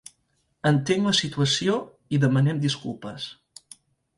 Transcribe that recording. Entenc la situació i demanem disculpes.